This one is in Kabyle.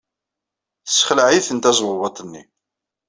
Tessexleɛ-iten tezwawaḍt-nni.